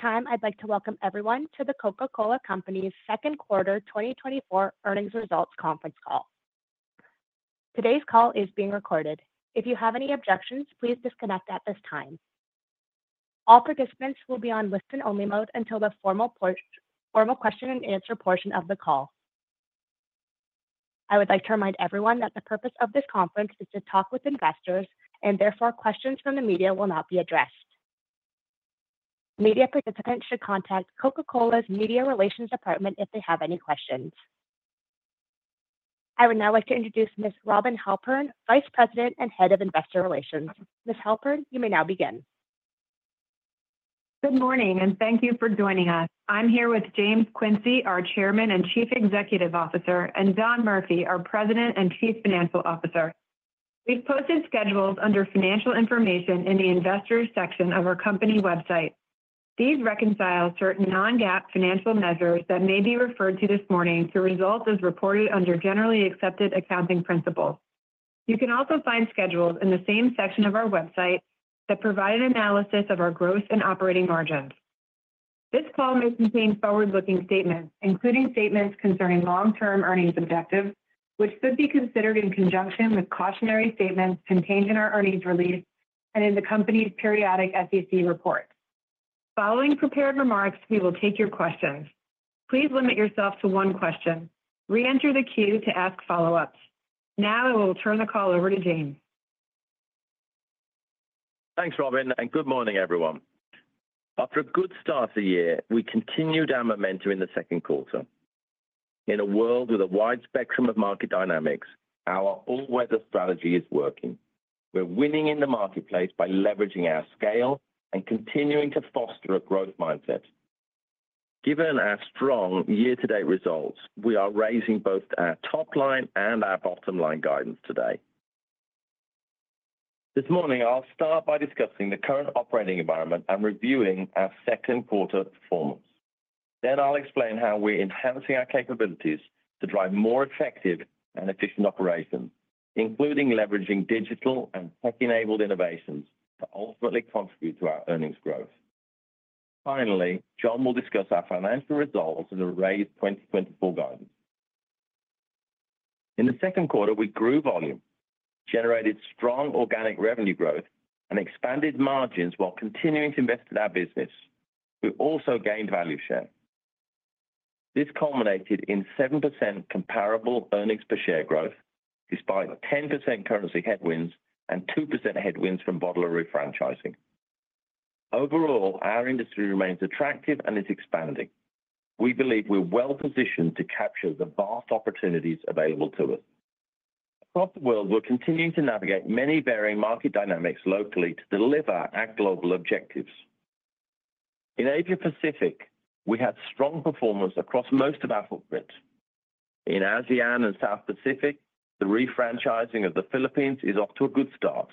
At this time, I'd like to welcome everyone to The Coca-Cola Company’s Second Quarter 2024 Earnings Results Conference Call. Today's call is being recorded. If you have any objections, please disconnect at this time. All participants will be on listen-only mode until the formal question-and-answer portion of the call. I would like to remind everyone that the purpose of this conference is to talk with investors, and therefore questions from the media will not be addressed. Media participants should contact The Coca-Cola Company’s Media Relations Department if they have any questions. I would now like to introduce Ms. Robin Halpern, Vice President and Head of Investor Relations. Ms. Halpern, you may now begin. Good morning, and thank you for joining us. I'm here with James Quincey, our Chairman and Chief Executive Officer, and John Murphy, our President and Chief Financial Officer. We've posted schedules under Financial Information in the Investors section of our company website. These reconcile certain non-GAAP financial measures that may be referred to this morning to results as reported under generally accepted accounting principles. You can also find schedules in the same section of our website that provide an analysis of our gross and operating margins. This call may contain forward-looking statements, including statements concerning long-term earnings objectives, which could be considered in conjunction with cautionary statements contained in our earnings release and in the company's periodic SEC reports. Following prepared remarks, we will take your questions. Please limit yourself to one question. Reenter the queue to ask follow-ups. Now, I will turn the call over to James. Thanks, Robin, and good morning, everyone. After a good start to the year, we continued our momentum in the second quarter. In a world with a wide spectrum of market dynamics, our all-weather strategy is working. We're winning in the marketplace by leveraging our scale and continuing to foster a growth mindset. Given our strong year-to-date results, we are raising both our top line and our bottom line guidance today. This morning, I'll start by discussing the current operating environment and reviewing our second quarter performance. Then I'll explain how we're enhancing our capabilities to drive more effective and efficient operations, including leveraging digital and tech-enabled innovations to ultimately contribute to our earnings growth. Finally, John will discuss our financial results and the raised 2024 guidance. In the second quarter, we grew volume, generated strong organic revenue growth, and expanded margins while continuing to invest in our business. We also gained value share. This culminated in 7% comparable earnings per share growth, despite 10% currency headwinds and 2% headwinds from bottler refranchising. Overall, our industry remains attractive and is expanding. We believe we're well-positioned to capture the vast opportunities available to us. Across the world, we're continuing to navigate many varying market dynamics locally to deliver our global objectives. In Asia Pacific, we had strong performance across most of our footprint. In ASEAN and South Pacific, the refranchising of the Philippines is off to a good start.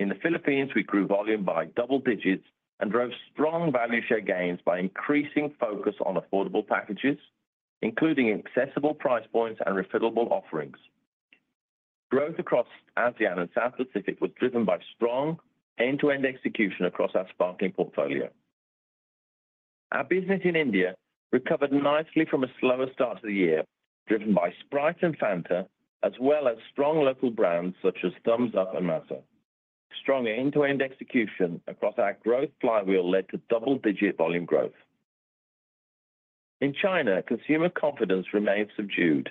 In the Philippines, we grew volume by double digits and drove strong value share gains by increasing focus on affordable packages, including accessible price points and refillable offerings. Growth across ASEAN and South Pacific was driven by strong end-to-end execution across our sparkling portfolio. Our business in India recovered nicely from a slower start to the year, driven by Sprite and Fanta, as well as strong local brands such as Thums Up and Maaza. Strong end-to-end execution across our growth flywheel led to double-digit volume growth. In China, consumer confidence remained subdued.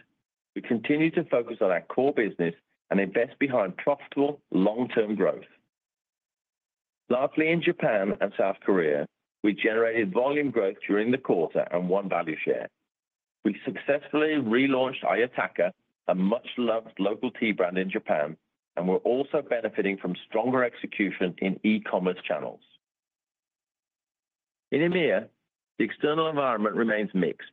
We continue to focus on our core business and invest behind profitable long-term growth. Lastly, in Japan and South Korea, we generated volume growth during the quarter and won value share. We successfully relaunched Ayataka, a much-loved local tea brand in Japan, and we're also benefiting from stronger execution in e-commerce channels. In EMEA, the external environment remains mixed.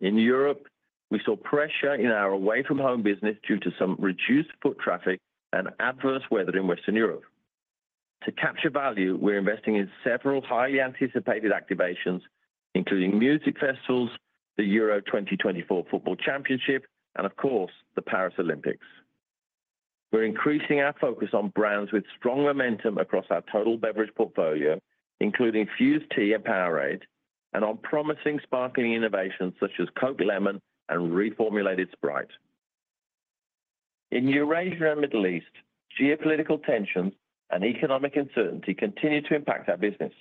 In Europe, we saw pressure in our away-from-home business due to some reduced foot traffic and adverse weather in Western Europe. To capture value, we're investing in several highly anticipated activations, including music festivals, the Euro 2024 Football Championship, and of course, the Paris Olympics. We're increasing our focus on brands with strong momentum across our total beverage portfolio, including Fuze Tea and Powerade, and on promising sparkling innovations such as Coca-Cola Lemon and reformulated Sprite. In Eurasia and the Middle East, geopolitical tensions and economic uncertainty continue to impact our business.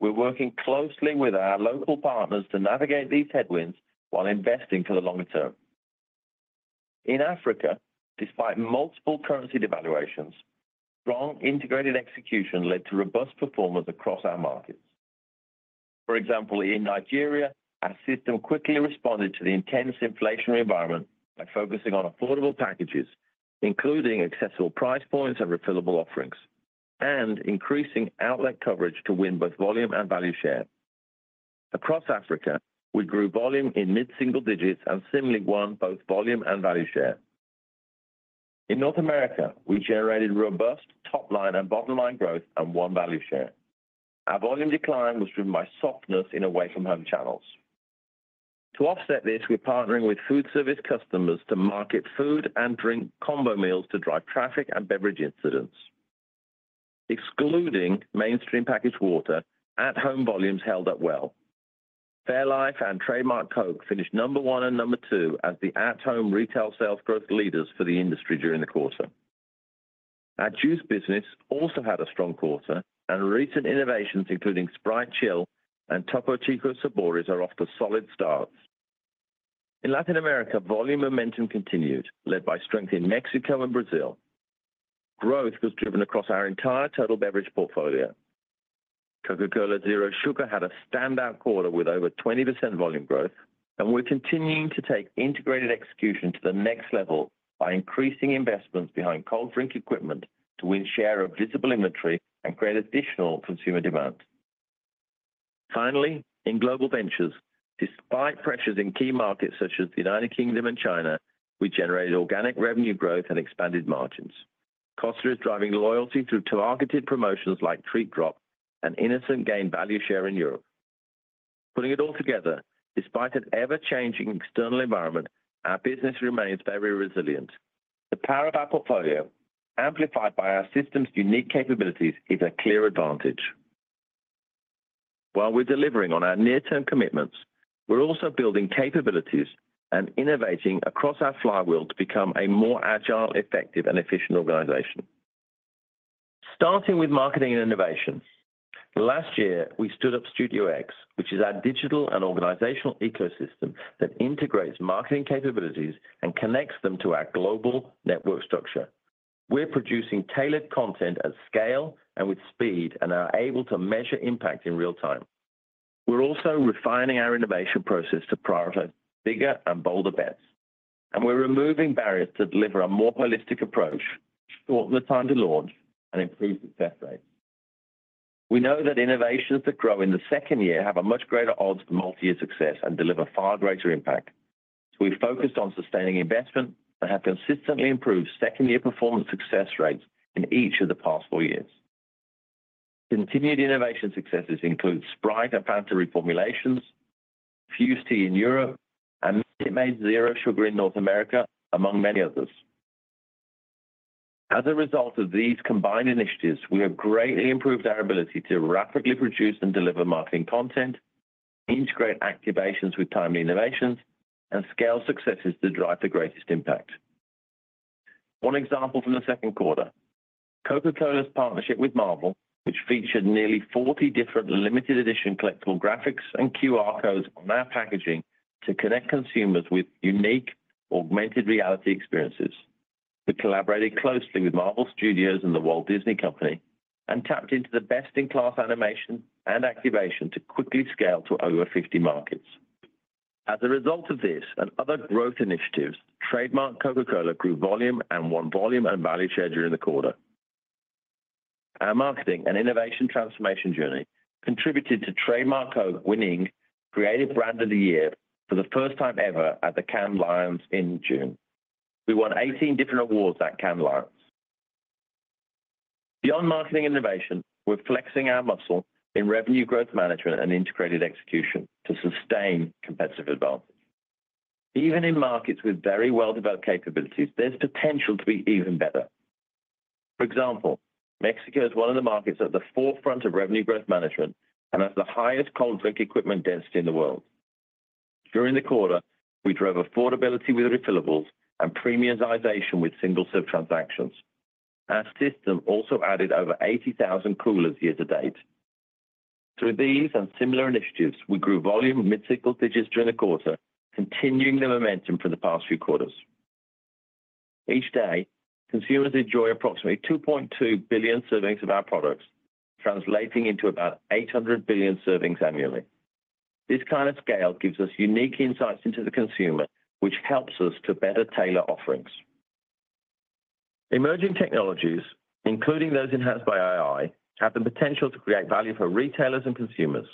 We're working closely with our local partners to navigate these headwinds while investing for the longer term. In Africa, despite multiple currency devaluations, strong integrated execution led to robust performance across our markets. For example, in Nigeria, our system quickly responded to the intense inflationary environment by focusing on affordable packages, including accessible price points and refillable offerings, and increasing outlet coverage to win both volume and value share. Across Africa, we grew volume in mid-single digits and similarly won both volume and value share. In North America, we generated robust top line and bottom line growth and won value share. Our volume decline was driven by softness in away-from-home channels. To offset this, we're partnering with foodservice customers to market food and drink combo meals to drive traffic and beverage incidence. Excluding mainstream packaged water, at-home volumes held up well. fairlife and Trademark Coke finished number one and number two as the at-home retail sales growth leaders for the industry during the quarter. Our juice business also had a strong quarter, and recent innovations including Sprite Chill and Topo Chico Sabores are off to solid starts. In Latin America, volume momentum continued, led by strength in Mexico and Brazil. Growth was driven across our entire total beverage portfolio. Coca-Cola Zero Sugar had a standout quarter with over 20% volume growth, and we're continuing to take integrated execution to the next level by increasing investments behind cold drink equipment to win share of visible inventory and create additional consumer demand. Finally, in global ventures, despite pressures in key markets such as the United Kingdom and China, we generated organic revenue growth and expanded margins. Costa is driving loyalty through targeted promotions like Treat Drop and innocent gaining value share in Europe. Putting it all together, despite an ever-changing external environment, our business remains very resilient. The power of our portfolio, amplified by our system's unique capabilities, is a clear advantage. While we're delivering on our near-term commitments, we're also building capabilities and innovating across our flywheel to become a more agile, effective, and efficient organization. Starting with marketing and innovation, last year we stood up Studio X, which is our digital and organizational ecosystem that integrates marketing capabilities and connects them to our global network structure. We're producing tailored content at scale and with speed and are able to measure impact in real time. We're also refining our innovation process to prioritize bigger and bolder bets, and we're removing barriers to deliver a more holistic approach, shorten the time to launch, and improve success rates. We know that innovations that grow in the second year have a much greater odds for multi-year success and deliver far greater impact, so we focused on sustaining investment and have consistently improved second-year performance success rates in each of the past four years. Continued innovation successes include Sprite and Fanta reformulations, Fuze Tea in Europe, and Coca-Cola Zero Sugar in North America, among many others. As a result of these combined initiatives, we have greatly improved our ability to rapidly produce and deliver marketing content, integrate activations with timely innovations, and scale successes to drive the greatest impact. One example from the second quarter: Coca-Cola's partnership with Marvel, which featured nearly 40 different limited-edition collectible graphics and QR codes on our packaging to connect consumers with unique augmented reality experiences. We collaborated closely with Marvel Studios and The Walt Disney Company and tapped into the best-in-class animation and activation to quickly scale to over 50 markets. As a result of this and other growth initiatives, Trademark Coca-Cola grew volume and won volume and value share during the quarter. Our marketing and innovation transformation journey contributed to Trademark Coke winning Creative Brand of the Year for the first time ever at the Cannes Lions in June. We won 18 different awards at Cannes Lions. Beyond marketing innovation, we're flexing our muscle in revenue growth management and integrated execution to sustain competitive advantage. Even in markets with very well-developed capabilities, there's potential to be even better. For example, Mexico is one of the markets at the forefront of revenue growth management and has the highest cold drink equipment density in the world. During the quarter, we drove affordability with refillables and premiumization with single-serve transactions. Our system also added over 80,000 coolers year-to-date. Through these and similar initiatives, we grew volume mid-single digits during the quarter, continuing the momentum for the past few quarters. Each day, consumers enjoy approximately 2.2 billion servings of our products, translating into about 800 billion servings annually. This kind of scale gives us unique insights into the consumer, which helps us to better tailor offerings. Emerging technologies, including those enhanced by AI, have the potential to create value for retailers and consumers.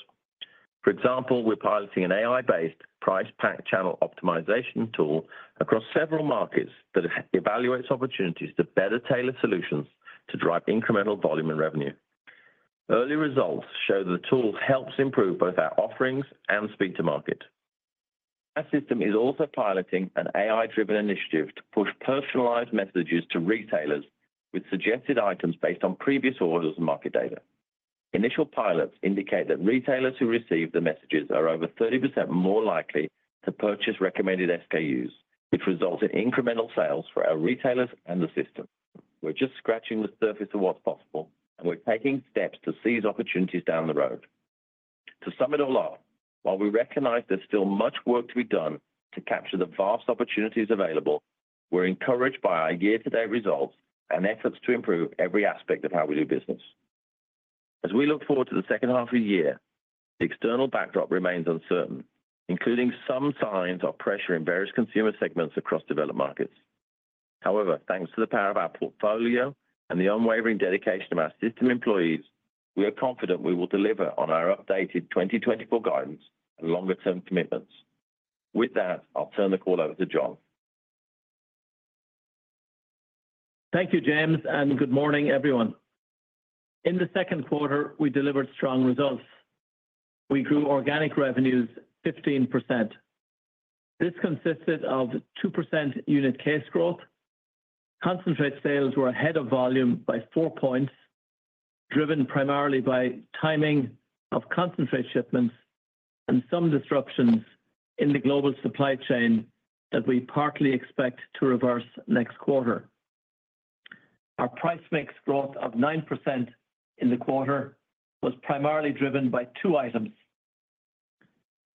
For example, we're piloting an AI-based price pack channel optimization tool across several markets that evaluates opportunities to better tailor solutions to drive incremental volume and revenue. Early results show that the tool helps improve both our offerings and speed to market. Our system is also piloting an AI-driven initiative to push personalized messages to retailers with suggested items based on previous orders and market data. Initial pilots indicate that retailers who receive the messages are over 30% more likely to purchase recommended SKUs, which results in incremental sales for our retailers and the system. We're just scratching the surface of what's possible, and we're taking steps to seize opportunities down the road. To sum it all up, while we recognize there's still much work to be done to capture the vast opportunities available, we're encouraged by our year-to-date results and efforts to improve every aspect of how we do business. As we look forward to the second half of the year, the external backdrop remains uncertain, including some signs of pressure in various consumer segments across developed markets. However, thanks to the power of our portfolio and the unwavering dedication of our system employees, we are confident we will deliver on our updated 2024 guidance and longer-term commitments. With that, I'll turn the call over to John. Thank you, James, and good morning, everyone. In the second quarter, we delivered strong results. We grew organic revenues 15%. This consisted of 2% unit case growth. Concentrate sales were ahead of volume by four points, driven primarily by timing of concentrate shipments and some disruptions in the global supply chain that we partly expect to reverse next quarter. Our price/mix growth of 9% in the quarter was primarily driven by two items.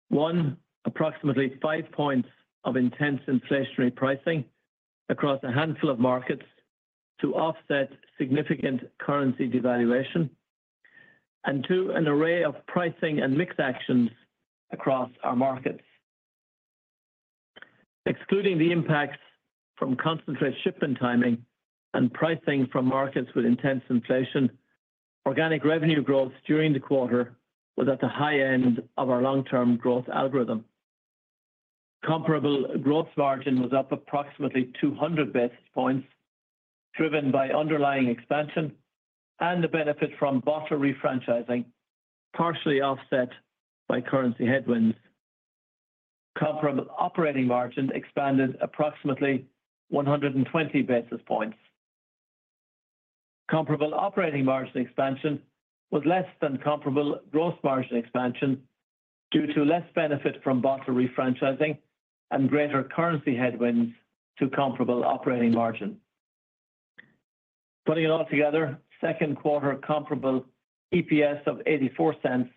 One, approximately five points of intense inflationary pricing across a handful of markets to offset significant currency devaluation, and two, an array of pricing and mix actions across our markets. Excluding the impacts from concentrate shipment timing and pricing from markets with intense inflation, organic revenue growth during the quarter was at the high end of our long-term growth algorithm. Comparable gross margin was up approximately 200 basis points, driven by underlying expansion and the benefit from bottler refranchising, partially offset by currency headwinds. Comparable operating margin expanded approximately 120 basis points. Comparable operating margin expansion was less than comparable gross margin expansion due to less benefit from bottler refranchising and greater currency headwinds to comparable operating margin. Putting it all together, second quarter comparable EPS of $0.84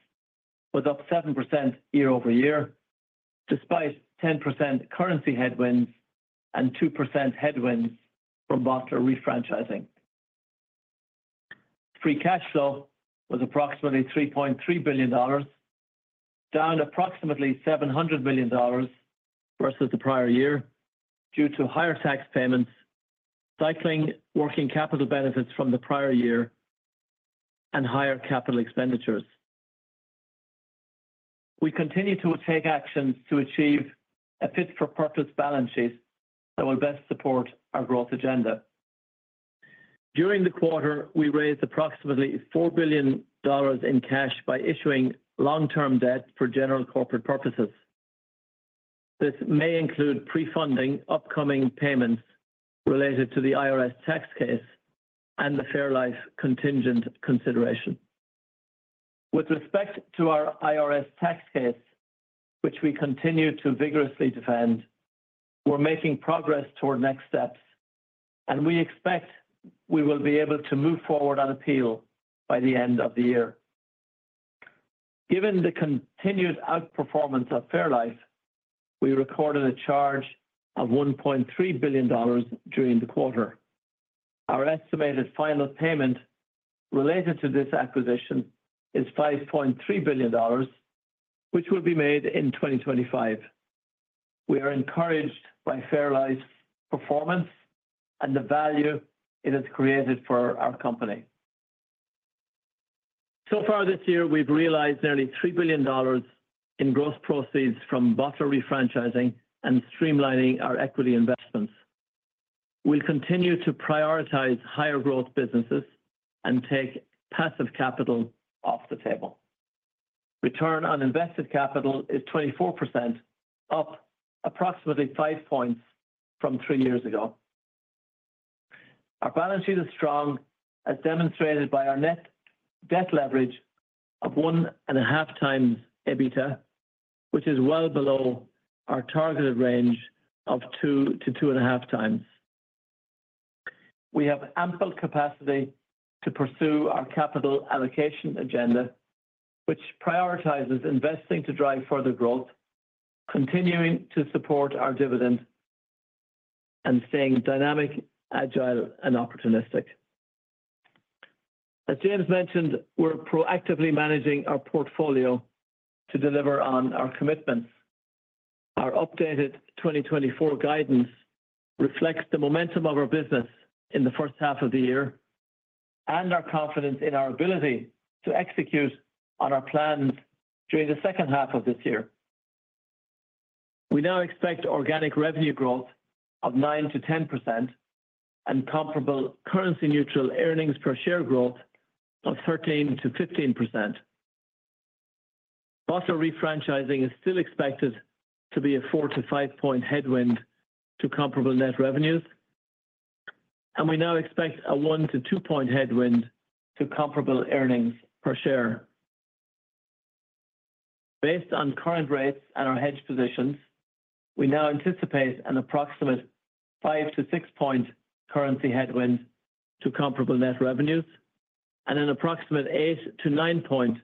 was up 7% year-over-year, despite 10% currency headwinds and 2% headwinds from bottler refranchising. Free cash flow was approximately $3.3 billion, down approximately $700 million versus the prior year due to higher tax payments, cycling working capital benefits from the prior year, and higher capital expenditures. We continue to take actions to achieve a fit-for-purpose balance sheet that will best support our growth agenda. During the quarter, we raised approximately $4 billion in cash by issuing long-term debt for general corporate purposes. This may include pre-funding upcoming payments related to the IRS tax case and the fairlife contingent consideration. With respect to our IRS tax case, which we continue to vigorously defend, we're making progress toward next steps, and we expect we will be able to move forward on appeal by the end of the year. Given the continued outperformance of fairlife, we recorded a charge of $1.3 billion during the quarter. Our estimated final payment related to this acquisition is $5.3 billion, which will be made in 2025. We are encouraged by fairlife's performance and the value it has created for our company. So far this year, we've realized nearly $3 billion in gross proceeds from bottler refranchising and streamlining our equity investments. We'll continue to prioritize higher-growth businesses and take passive capital off the table. Return on invested capital is 24%, up approximately five points from three years ago. Our balance sheet is strong, as demonstrated by our net debt leverage of 1.5x EBITDA, which is well below our targeted range of 2x-2.5x. We have ample capacity to pursue our capital allocation agenda, which prioritizes investing to drive further growth, continuing to support our dividend, and staying dynamic, agile, and opportunistic. As James mentioned, we're proactively managing our portfolio to deliver on our commitments. Our updated 2024 guidance reflects the momentum of our business in the first half of the year and our confidence in our ability to execute on our plans during the second half of this year. We now expect organic revenue growth of 9%-10% and comparable currency-neutral earnings per share growth of 13%-15%. Bottler refranchising is still expected to be a four to five point headwind to comparable net revenues, and we now expect a one to two point headwind to comparable earnings per share. Based on current rates and our hedge positions, we now anticipate an approximate five to six point currency headwind to comparable net revenues and an approximate eight to nine point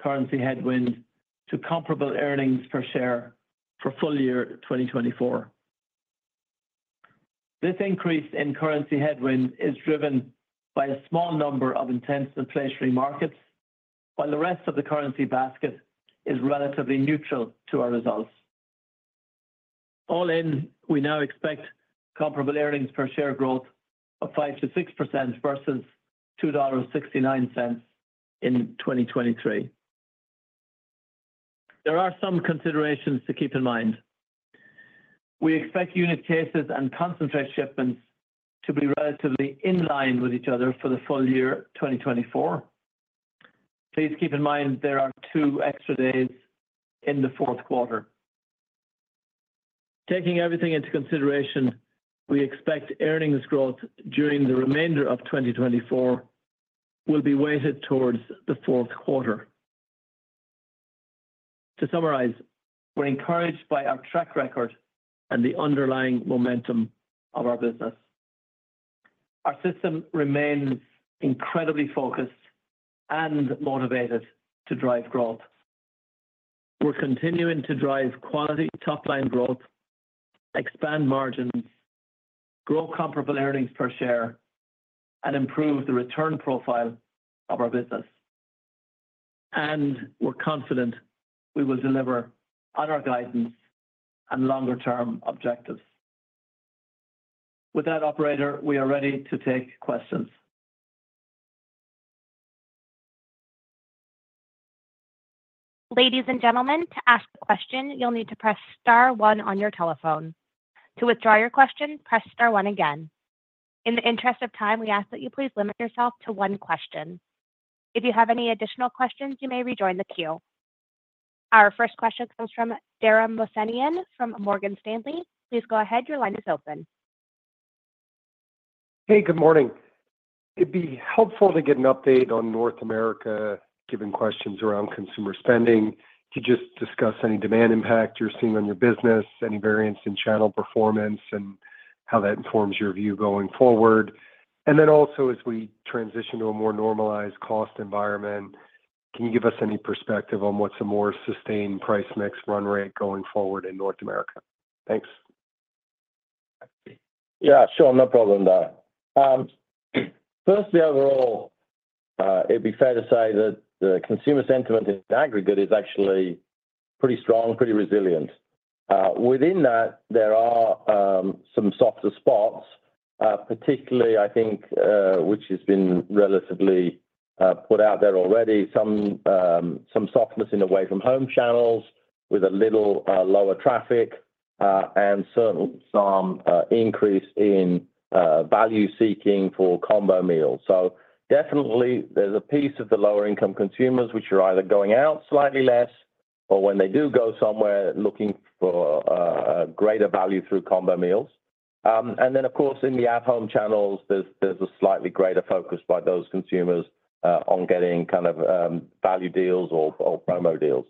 currency headwind to comparable earnings per share for full year 2024. This increase in currency headwind is driven by a small number of intense inflationary markets, while the rest of the currency basket is relatively neutral to our results. All in, we now expect comparable earnings per share growth of 5%-6% versus $2.69 in 2023. There are some considerations to keep in mind. We expect unit cases and concentrate shipments to be relatively in line with each other for the full year 2024. Please keep in mind there are two extra days in the fourth quarter. Taking everything into consideration, we expect earnings growth during the remainder of 2024 will be weighted towards the fourth quarter. To summarize, we're encouraged by our track record and the underlying momentum of our business. Our system remains incredibly focused and motivated to drive growth. We're continuing to drive quality top-line growth, expand margins, grow comparable earnings per share, and improve the return profile of our business. And we're confident we will deliver on our guidance and longer-term objectives. With that, Operator, we are ready to take questions. Ladies and gentlemen, to ask a question, you'll need to press star one on your telephone. To withdraw your question, press star one again. In the interest of time, we ask that you please limit yourself to one question. If you have any additional questions, you may rejoin the queue. Our first question comes from Dara Mohsenian from Morgan Stanley. Please go ahead. Your line is open. Hey, good morning. It'd be helpful to get an update on North America given questions around consumer spending. Could you just discuss any demand impact you're seeing on your business, any variance in channel performance, and how that informs your view going forward? And then also, as we transition to a more normalized cost environment, can you give us any perspective on what's a more sustained price/mix run rate going forward in North America? Thanks. Yeah, sure. No problem there. First, the overall, it'd be fair to say that the consumer sentiment in aggregate is actually pretty strong, pretty resilient. Within that, there are some softer spots, particularly, I think, which has been relatively put out there already, some softness in away-from-home channels with a little lower traffic and certainly some increase in value-seeking for combo meals. So definitely, there's a piece of the lower-income consumers which are either going out slightly less or, when they do go somewhere, looking for greater value through combo meals. And then, of course, in the at-home channels, there's a slightly greater focus by those consumers on getting kind of value deals or promo deals.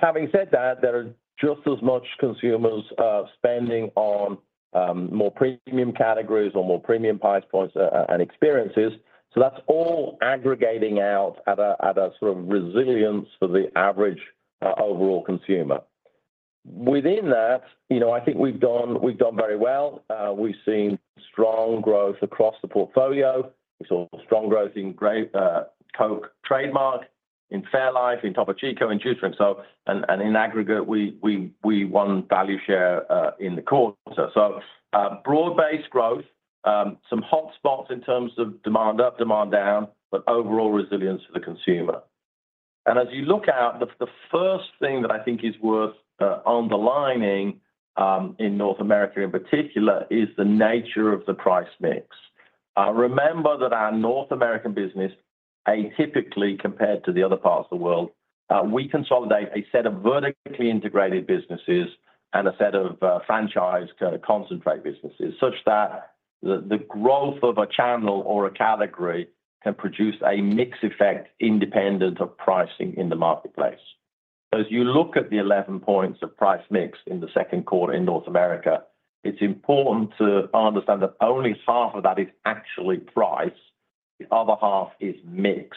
Having said that, there are just as much consumers spending on more premium categories or more premium price points and experiences. So that's all aggregating out at a sort of resilience for the average overall consumer. Within that, I think we've done very well. We've seen strong growth across the portfolio. We saw strong growth in Coke Trademark, in fairlife, in Topo Chico, and juices itself. In aggregate, we won value share in the quarter. Broad-based growth, some hotspots in terms of demand up, demand down, but overall resilience for the consumer. As you look out, the first thing that I think is worth underlining in North America in particular is the nature of the price/mix. Remember that our North American business, atypically compared to the other parts of the world, we consolidate a set of vertically integrated businesses and a set of franchise concentrate businesses such that the growth of a channel or a category can produce a mixed effect independent of pricing in the marketplace. As you look at the 11 points of price/mix in the second quarter in North America, it's important to understand that only half of that is actually price. The other half is mix.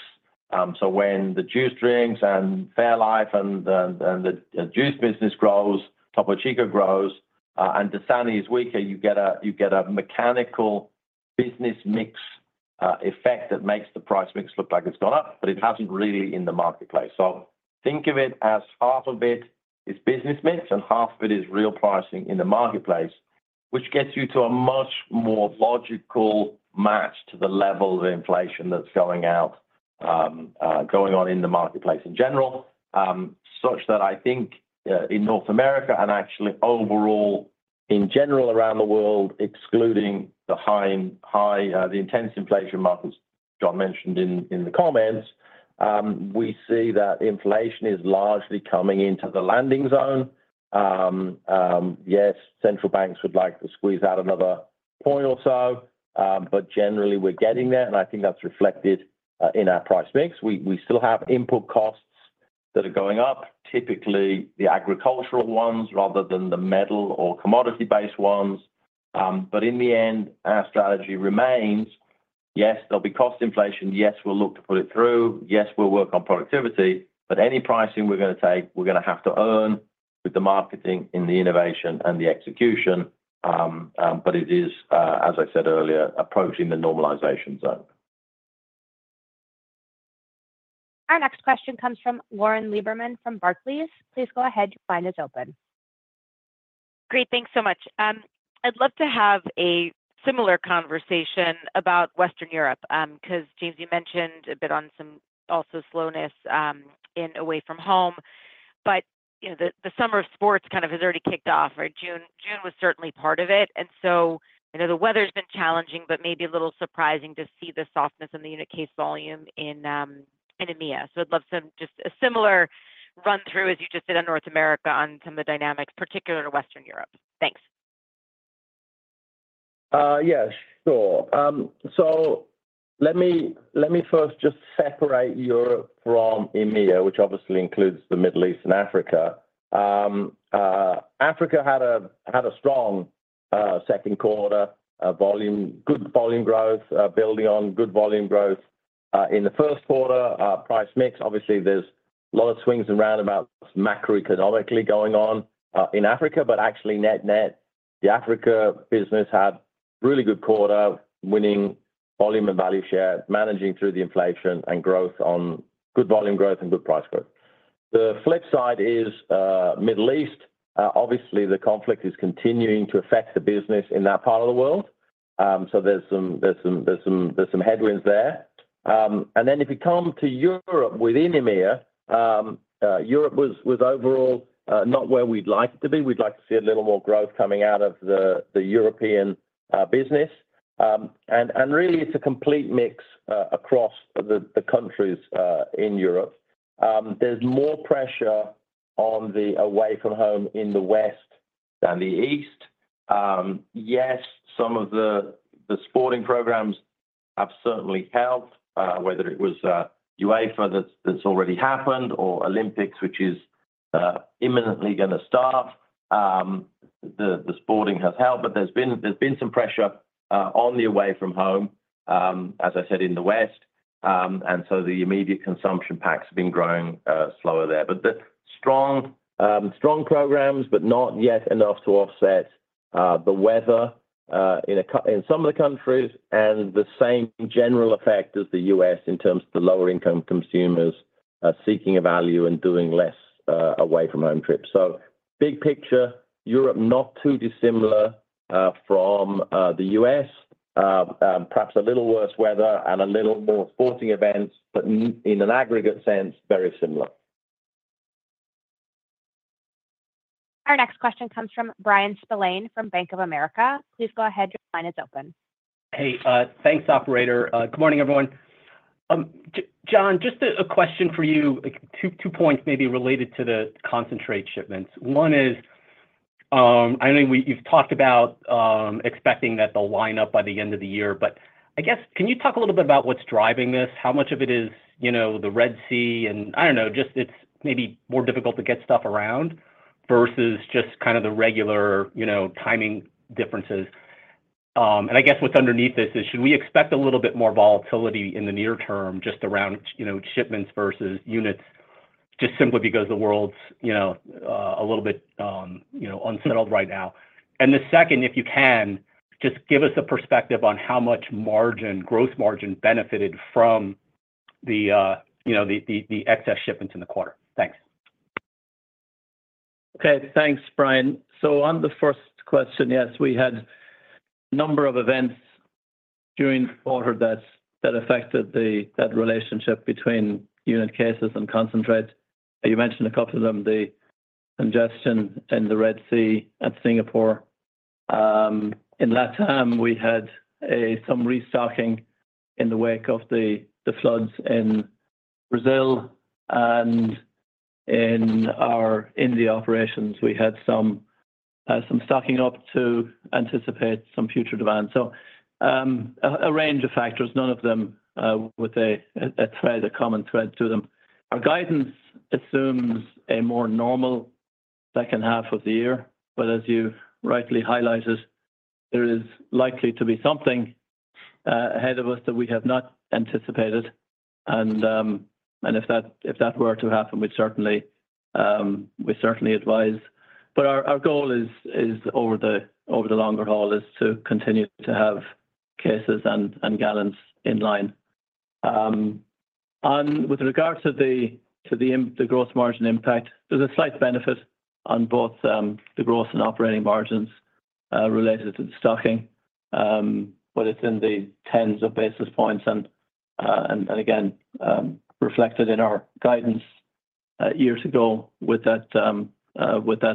So when the juice drinks and fairlife and the juice business grows, Topo Chico grows, and Dasani is weaker, you get a mechanical business mix effect that makes the price/mix look like it's gone up, but it hasn't really in the marketplace. So think of it as half of it is business mix and half of it is real pricing in the marketplace, which gets you to a much more logical match to the level of inflation that's going on in the marketplace in general, such that I think in North America and actually overall in general around the world, excluding the intense inflation markets John mentioned in the comments, we see that inflation is largely coming into the landing zone. Yes, central banks would like to squeeze out another point or so, but generally, we're getting there, and I think that's reflected in our price/mix. We still have input costs that are going up, typically the agricultural ones rather than the metal or commodity-based ones. But in the end, our strategy remains. Yes, there'll be cost inflation. Yes, we'll look to put it through. Yes, we'll work on productivity. But any pricing we're going to take, we're going to have to earn with the marketing in the innovation and the execution. But it is, as I said earlier, approaching the normalization zone. Our next question comes from Lauren Lieberman from Barclays. Please go ahead. Your line is open. Great. Thanks so much. I'd love to have a similar conversation about Western Europe because, James, you mentioned a bit on some also slowness in away-from-home. But the summer of sports kind of has already kicked off, right? June was certainly part of it. And so I know the weather's been challenging, but maybe a little surprising to see the softness in the unit case volume in EMEA. So I'd love some just a similar run-through, as you just did in North America, on some of the dynamics, particularly in Western Europe. Thanks. Yes, sure. So let me first just separate Europe from EMEA, which obviously includes the Middle East and Africa. Africa had a strong second quarter, good volume growth, building on good volume growth in the first quarter. Price/mix, obviously, there's a lot of swings and roundabouts macroeconomically going on in Africa. But actually, net-net, the Africa business had a really good quarter, winning volume and value share, managing through the inflation and growth on good volume growth and good price growth. The flip side is Middle East. Obviously, the conflict is continuing to affect the business in that part of the world. So there's some headwinds there. And then if you come to Europe within EMEA, Europe was overall not where we'd like it to be. We'd like to see a little more growth coming out of the European business. And really, it's a complete mix across the countries in Europe. There's more pressure on the away from home in the West than the East. Yes, some of the sporting programs have certainly helped, whether it was UEFA that's already happened or Olympics, which is imminently going to start. The sporting has helped, but there's been some pressure on the away from home, as I said, in the West. And so the immediate consumption packs have been growing slower there. But strong programs, but not yet enough to offset the weather in some of the countries and the same general effect as the U.S. in terms of the lower-income consumers seeking value and doing less away-from-home trips. So big picture, Europe not too dissimilar from the U.S., perhaps a little worse weather and a little more sporting events, but in an aggregate sense, very similar. Our next question comes from Bryan Spillane from Bank of America. Please go ahead. Your line is open. Hey, thanks, Operator. Good morning, everyone. John, just a question for you. Two points maybe related to the concentrate shipments. One is, I know you've talked about expecting that they'll line up by the end of the year, but I guess, can you talk a little bit about what's driving this? How much of it is the Red Sea and, I don't know, just it's maybe more difficult to get stuff around versus just kind of the regular timing differences? And I guess what's underneath this is, should we expect a little bit more volatility in the near term just around shipments versus units just simply because the world's a little bit unsettled right now? And the second, if you can, just give us a perspective on how much growth margin benefited from the excess shipments in the quarter. Thanks. Okay. Thanks, Bryan. So on the first question, yes, we had a number of events during the quarter that affected that relationship between unit cases and concentrate. You mentioned a couple of them, the congestion in the Red Sea and Singapore. In that time, we had some restocking in the wake of the floods in Brazil. And in our India operations, we had some stocking up to anticipate some future demand. So a range of factors, none of them with a common thread to them. Our guidance assumes a more normal second half of the year. But as you rightly highlighted, there is likely to be something ahead of us that we have not anticipated. And if that were to happen, we certainly advise. But our goal over the longer haul is to continue to have cases and gallons in line. And with regard to the gross margin impact, there's a slight benefit on both the gross and operating margins related to the stocking, but it's in the tens of basis points and, again, reflected in our guidance years ago with that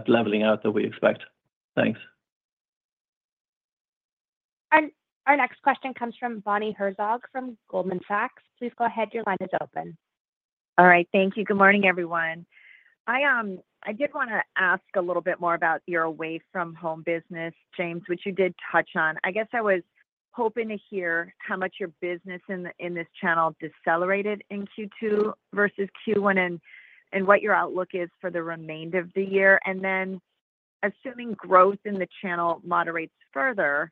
leveling out that we expect. Thanks. And our next question comes from Bonnie Herzog from Goldman Sachs. Please go ahead. Your line is open. All right. Thank you. Good morning, everyone. I did want to ask a little bit more about your away-from-home business, James, which you did touch on. I guess I was hoping to hear how much your business in this channel decelerated in Q2 versus Q1 and what your outlook is for the remainder of the year. And then assuming growth in the channel moderates further,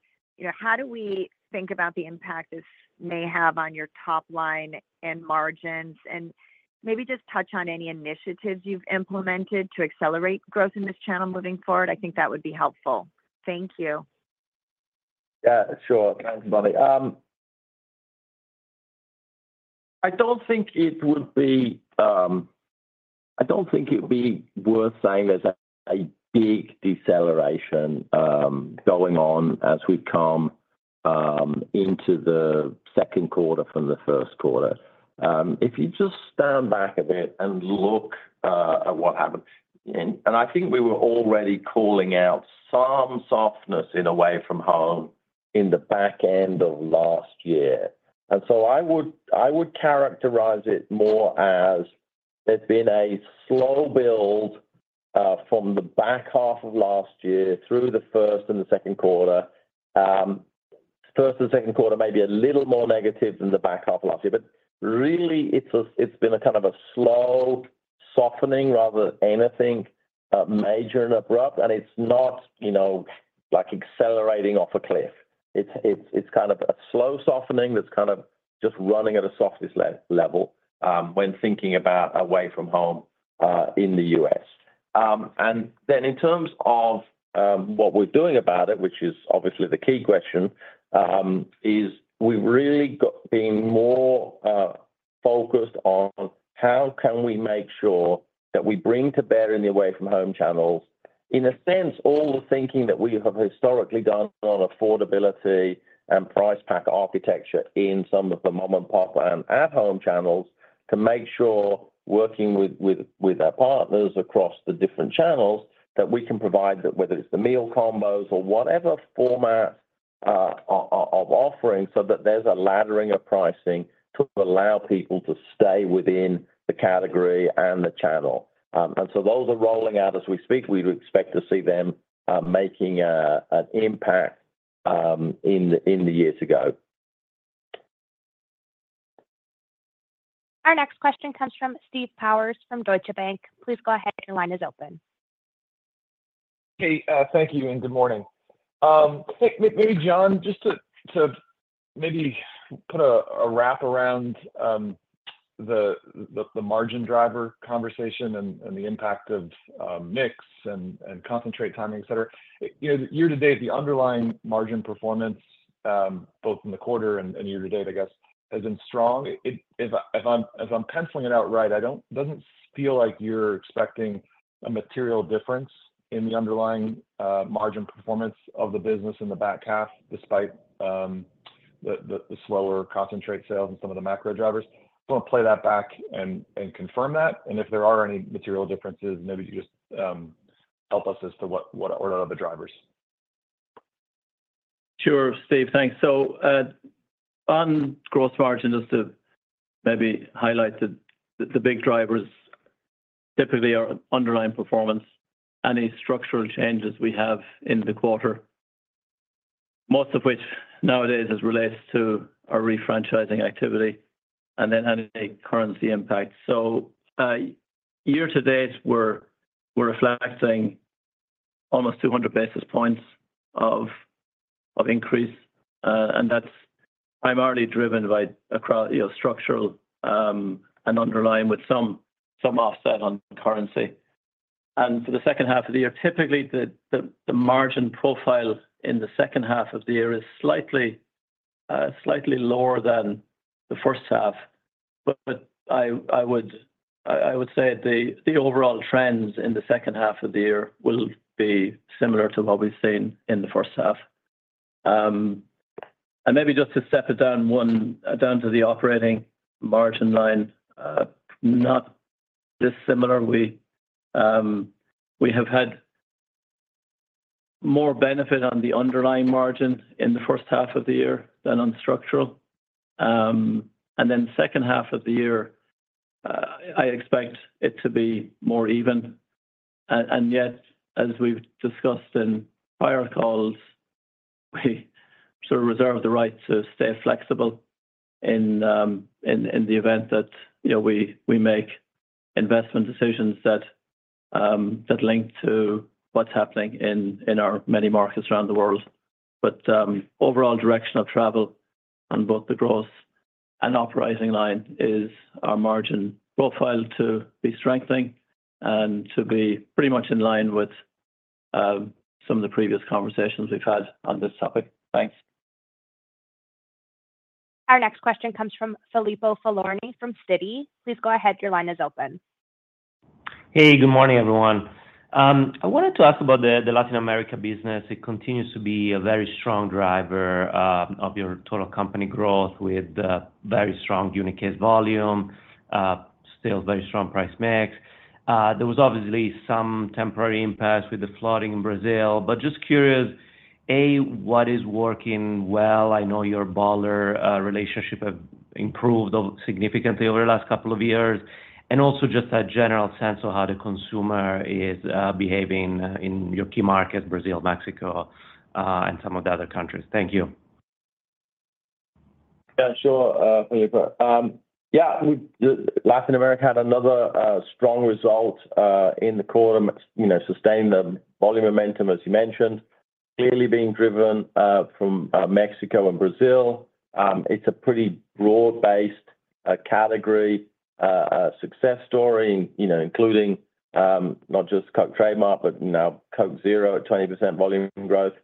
how do we think about the impact this may have on your top line and margins? And maybe just touch on any initiatives you've implemented to accelerate growth in this channel moving forward. I think that would be helpful. Thank you. Yeah, sure. Thanks, Bonnie. I don't think it would be worth saying there's a big deceleration going on as we come into the second quarter from the first quarter. If you just stand back a bit and look at what happened, and I think we were already calling out some softness in away-from-home in the back end of last year. So I would characterize it more as there's been a slow build from the back half of last year through the first and the second quarter. First and second quarter may be a little more negative than the back half of last year. But really, it's been a kind of a slow softening rather than anything major and abrupt. It's not like accelerating off a cliff. It's kind of a slow softening that's kind of just running at a softest level when thinking about away-from-home in the U.S. And then in terms of what we're doing about it, which is obviously the key question, is we've really been more focused on how can we make sure that we bring to bear in the away from home channels, in a sense, all the thinking that we have historically done on affordability and price-pack architecture in some of the mom-and-pop and at-home channels to make sure, working with our partners across the different channels, that we can provide that, whether it's the meal combos or whatever format of offering, so that there's a laddering of pricing to allow people to stay within the category and the channel. So those are rolling out as we speak. We'd expect to see them making an impact in the years to go. Our next question comes from Steve Powers from Deutsche Bank. Please go ahead. Your line is open. Hey, thank you and good morning. Maybe, John, just to maybe put a wrap around the margin driver conversation and the impact of mix and concentrate timing, etc., year to date, the underlying margin performance, both in the quarter and year to date, I guess, has been strong. If I'm penciling it out right, it doesn't feel like you're expecting a material difference in the underlying margin performance of the business in the back half, despite the slower concentrate sales and some of the macro drivers. I want to play that back and confirm that. And if there are any material differences, maybe you just help us as to what are the drivers. Sure. Steve, thanks. So on gross margin, just to maybe highlight that the big drivers typically are underlying performance and the structural changes we have in the quarter, most of which nowadays relate to our refranchising activity and then any currency impact. So year to date, we're reflecting almost 200 basis points of increase. And that's primarily driven by structural and underlying with some offset on currency. And for the second half of the year, typically, the margin profile in the second half of the year is slightly lower than the first half. But I would say the overall trends in the second half of the year will be similar to what we've seen in the first half. And maybe just to step it down to the operating margin line, not dissimilar. We have had more benefit on the underlying margin in the first half of the year than on structural. And then the second half of the year, I expect it to be more even. And yet, as we've discussed in prior calls, we sort of reserve the right to stay flexible in the event that we make investment decisions that link to what's happening in our many markets around the world. But overall direction of travel on both the gross and operating line is our margin profile to be strengthening and to be pretty much in line with some of the previous conversations we've had on this topic. Thanks. Our next question comes from Filippo Falorni from Citi. Please go ahead. Your line is open. Hey, good morning, everyone. I wanted to ask about the Latin America business. It continues to be a very strong driver of your total company growth with very strong unit case volume, still very strong price/mix. There was obviously some temporary impact with the flooding in Brazil. But just curious, A, what is working well? I know your bottler relationship has improved significantly over the last couple of years. And also just a general sense of how the consumer is behaving in your key markets, Brazil, Mexico, and some of the other countries. Thank you. Yeah, sure, Filippo. Yeah, Latin America had another strong result in the quarter, sustained the volume momentum, as you mentioned, clearly being driven from Mexico and Brazil. It's a pretty broad-based category success story, including not just Coke Trademark, but Coke Zero, 20% volume growth.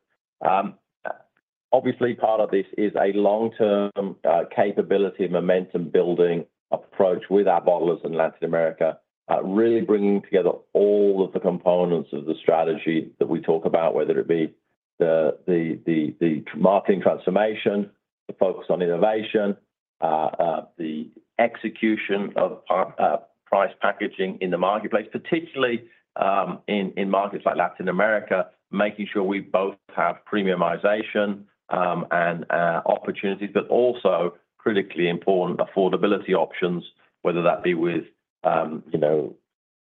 Obviously, part of this is a long-term capability momentum building approach with our bottlers in Latin America, really bringing together all of the components of the strategy that we talk about, whether it be the marketing transformation, the focus on innovation, the execution of price-pack in the marketplace, particularly in markets like Latin America, making sure we both have premiumization and opportunities, but also critically important affordability options, whether that be with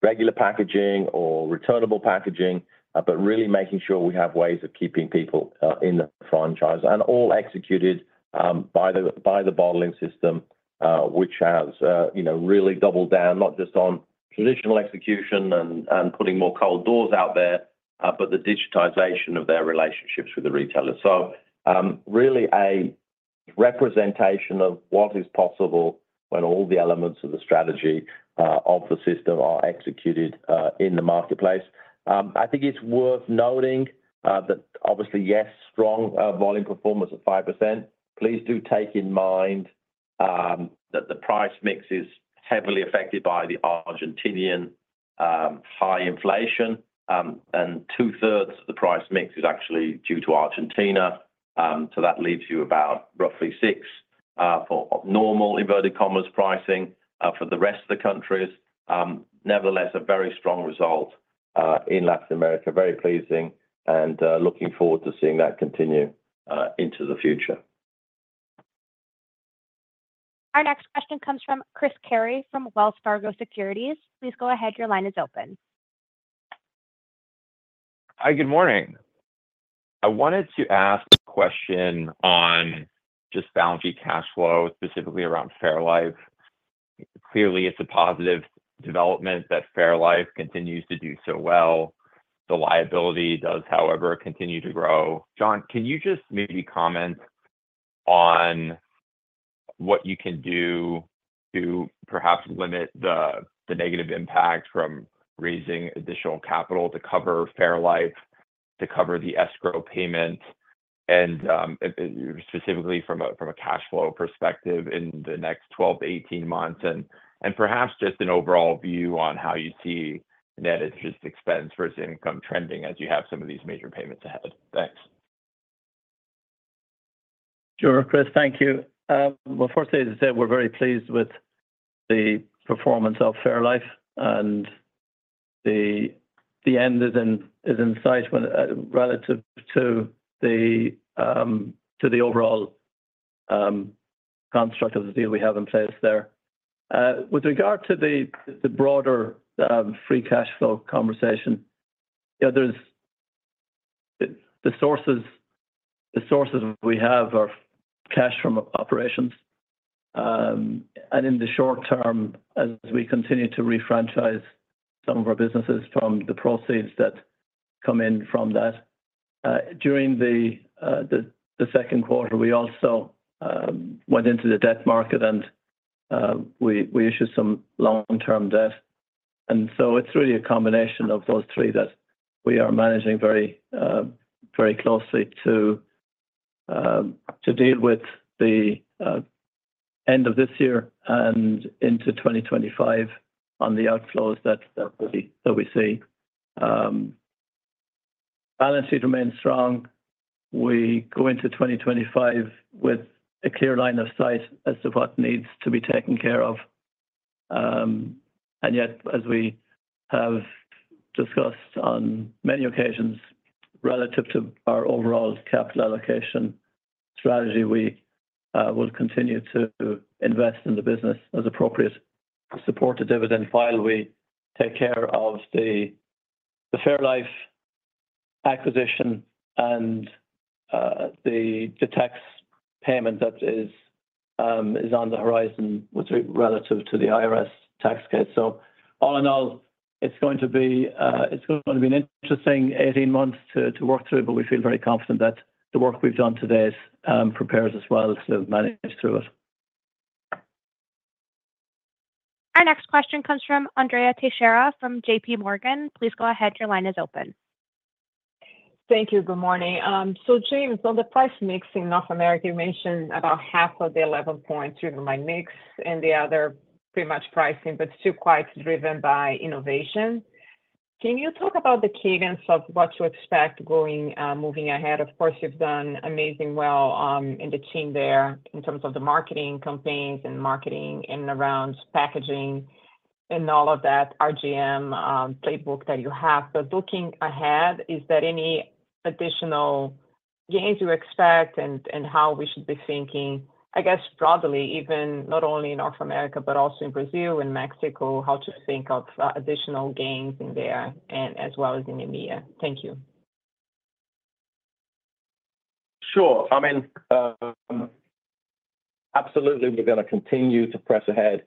regular packaging or returnable packaging, but really making sure we have ways of keeping people in the franchise and all executed by the bottling system, which has really doubled down not just on traditional execution and putting more cold doors out there, but the digitization of their relationships with the retailers. So really a representation of what is possible when all the elements of the strategy of the system are executed in the marketplace. I think it's worth noting that, obviously, yes, strong volume performance of 5%. Please do bear in mind that the price/mix is heavily affected by the Argentine high inflation, and two-thirds of the price/mix is actually due to Argentina. So that leaves you about roughly 6 for normal inverted commas pricing for the rest of the countries. Nevertheless, a very strong result in Latin America, very pleasing, and looking forward to seeing that continue into the future. Our next question comes from Chris Carey from Wells Fargo Securities. Please go ahead. Your line is open. Hi, good morning. I wanted to ask a question on just balance sheet cash flow, specifically around fairlife. Clearly, it's a positive development that fairlife continues to do so well. The liability does, however, continue to grow. John, can you just maybe comment on what you can do to perhaps limit the negative impact from raising additional capital to cover fairlife, to cover the escrow payment, and specifically from a cash flow perspective in the next 12 to 18 months, and perhaps just an overall view on how you see net interest expense versus income trending as you have some of these major payments ahead? Thanks. Sure, Chris, thank you. Well, firstly, as I said, we're very pleased with the performance of fairlife, and the end is in sight relative to the overall construct of the deal we have in place there. With regard to the broader free cash flow conversation, the sources we have are cash from operations. In the short term, as we continue to refranchise some of our businesses from the proceeds that come in from that, during the second quarter, we also went into the debt market, and we issued some long-term debt. So it's really a combination of those three that we are managing very closely to deal with the end of this year and into 2025 on the outflows that we see. Balance sheet remains strong. We go into 2025 with a clear line of sight as to what needs to be taken care of. And yet, as we have discussed on many occasions relative to our overall capital allocation strategy, we will continue to invest in the business as appropriate. To support the dividend, we'll take care of the fairlife acquisition and the tax payment that is on the horizon relative to the IRS tax case. So all in all, it's going to be an interesting 18 months to work through, but we feel very confident that the work we've done today prepares us well to manage through it. Our next question comes from Andrea Teixeira from JPMorgan. Please go ahead. Your line is open. Thank you. Good morning. So James, on the price/mix in North America, you mentioned about half of the 11 points driven by mix and the other pretty much pricing, but still quite driven by innovation. Can you talk about the cadence of what to expect moving ahead? Of course, you've done amazingly well in the team there in terms of the marketing campaigns and marketing and around packaging and all of that RGM playbook that you have. But looking ahead, is there any additional gains you expect and how we should be thinking, I guess, broadly, even not only in North America, but also in Brazil and Mexico, how to think of additional gains in there as well as in EMEA? Thank you. Sure. I mean, absolutely, we're going to continue to press ahead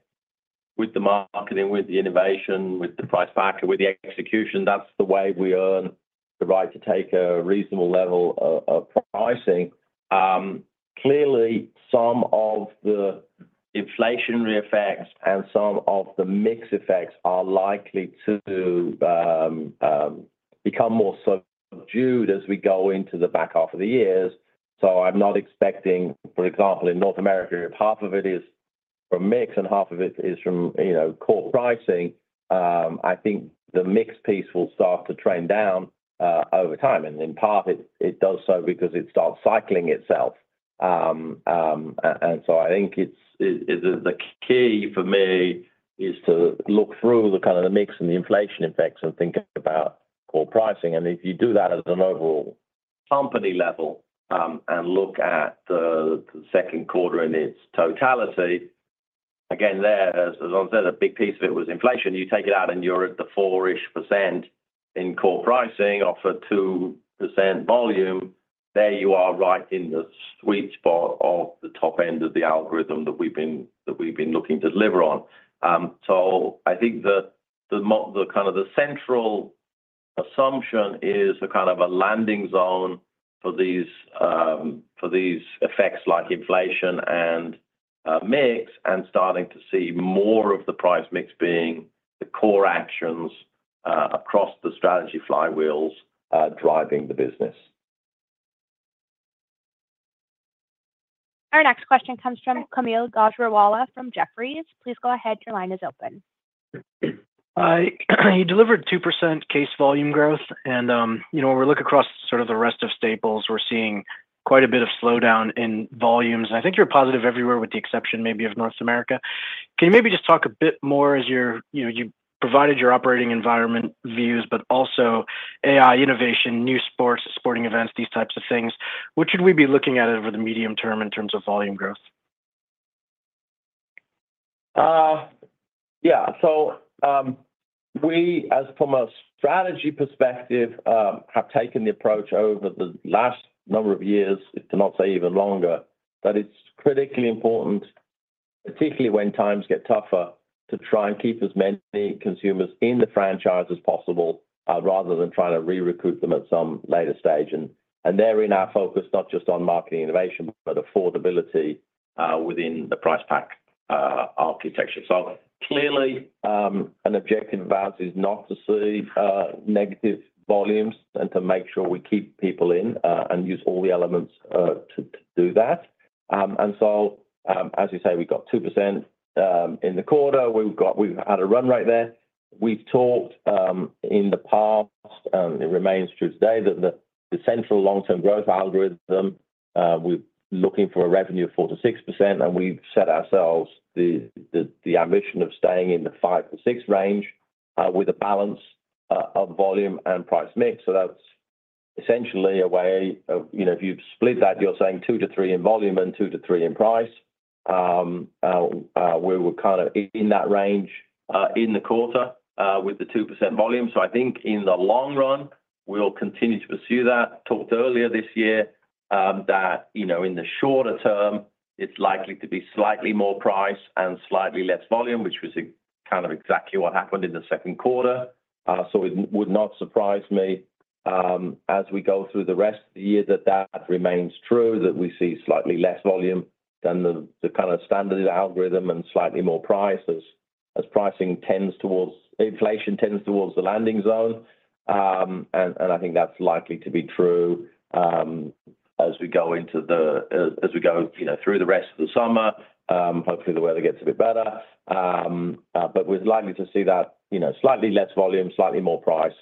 with the marketing, with the innovation, with the price pack, with the execution. That's the way we earn the right to take a reasonable level of pricing. Clearly, some of the inflationary effects and some of the mix effects are likely to become more subdued as we go into the back half of the years. So I'm not expecting, for example, in North America, if half of it is from mix and half of it is from core pricing, I think the mix piece will start to trend down over time. In part, it does so because it starts cycling itself. So I think the key for me is to look through the kind of the mix and the inflation effects and think about core pricing. And if you do that at an overall company level and look at the second quarter in its totality, again, there, as I said, a big piece of it was inflation. You take it out and you're at the 4-ish% in core pricing off a 2% volume, there you are right in the sweet spot of the top end of the algorithm that we've been looking to deliver on. So I think the kind of the central assumption is a kind of a landing zone for these effects like inflation and mix and starting to see more of the price/mix being the core actions across the strategy flywheels driving the business. Our next question comes from Kaumil Gajrawala from Jefferies. Please go ahead. Your line is open. You delivered 2% case volume growth. And when we look across sort of the rest of Staples, we're seeing quite a bit of slowdown in volumes. And I think you're positive everywhere with the exception maybe of North America. Can you maybe just talk a bit more as you provided your operating environment views, but also AI innovation, new sports, sporting events, these types of things? What should we be looking at over the medium term in terms of volume growth? Yeah. So we, as from a strategy perspective, have taken the approach over the last number of years, to not say even longer, that it's critically important, particularly when times get tougher, to try and keep as many consumers in the franchise as possible rather than trying to re-recruit them at some later stage. And therein our focus, not just on marketing innovation, but affordability within the price-pack architecture. So clearly, an objective of ours is not to see negative volumes and to make sure we keep people in and use all the elements to do that. And so, as you say, we've got 2% in the quarter. We've had a run right there. We've talked in the past, and it remains true today, that the central long-term growth algorithm, we're looking for a revenue of 4%-6%, and we've set ourselves the ambition of staying in the 5%-6% range with a balance of volume and price/mix. So that's essentially a way of, if you split that, you're saying two to three in volume and two to three in price, we were kind of in that range in the quarter with the 2% volume. So I think in the long run, we'll continue to pursue that. Talked earlier this year that in the shorter term, it's likely to be slightly more price and slightly less volume, which was kind of exactly what happened in the second quarter. So it would not surprise me as we go through the rest of the year that that remains true, that we see slightly less volume than the kind of standard algorithm and slightly more price as pricing tends towards inflation tends towards the landing zone. And I think that's likely to be true as we go through the rest of the summer. Hopefully, the weather gets a bit better. But we're likely to see that slightly less volume, slightly more price,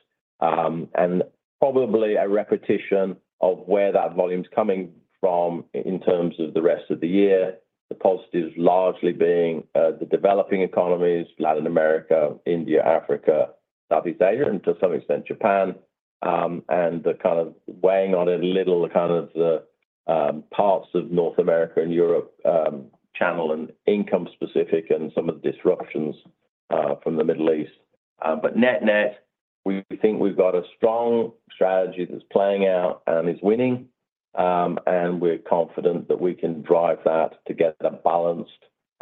and probably a repetition of where that volume's coming from in terms of the rest of the year, the positives largely being the developing economies, Latin America, India, Africa, Southeast Asia, and to some extent Japan, and the kind of weighing on a little kind of the parts of North America and Europe channel and income-specific and some of the disruptions from the Middle East. But net net, we think we've got a strong strategy that's playing out and is winning, and we're confident that we can drive that to get a balanced